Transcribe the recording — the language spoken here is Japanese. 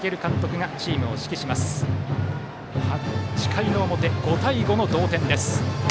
８回の表、５対５の同点です。